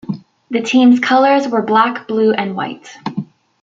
The team's colors were black, blue and white.